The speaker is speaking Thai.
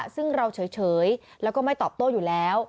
ซึ่งเราเฉยแล้วก็ไม่ตอบโต้อยู่แล้ว